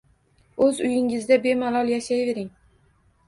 Oʻz uyingizda bemalol yashayvering